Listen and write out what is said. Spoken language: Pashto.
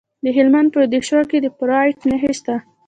د هلمند په دیشو کې د فلورایټ نښې شته.